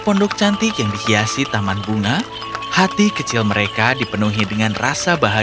pondoknya sangat indah